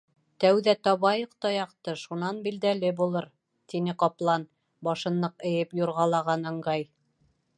— Тәүҙә табайыҡ таяҡты, шунан билдәле булыр, — тине ҡаплан, башын ныҡ эйеп юрғалаған ыңғай.